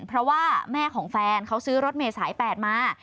เพราะว่าแม่ของแฟนเขาซื้อรถเมย์สาย๘มา